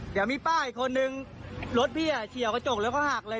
เดี๋ยวมีป้าอีกคนนึงรถพี่เฉียวกระจกแล้วเขาหักเลย